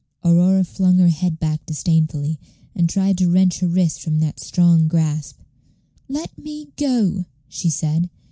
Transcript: Aurora flung her head back disdainfully, and tried to wrench her wrist from that strong grasp. "Let me go," she said.